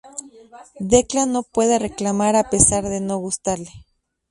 Declan no puede reclamar a pesar de no gustarle.